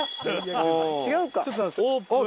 あっ違う。